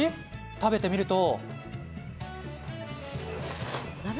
食べてみると。